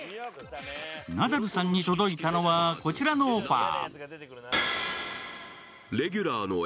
ナダルさんに届いたのはこちらのオファー。